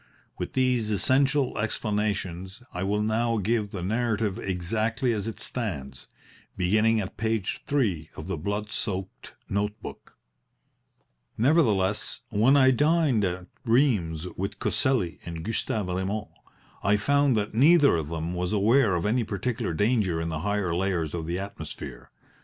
With these essential explanations I will now give the narrative exactly as it stands, beginning at page three of the blood soaked note book: "Nevertheless, when I dined at Rheims with Coselli and Gustav Raymond I found that neither of them was aware of any particular danger in the higher layers of the atmosphere.